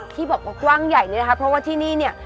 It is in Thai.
ที่บอกว่ากว้างใหญ่เนี่ยนะคะเพราะว่าที่นี่เนี่ย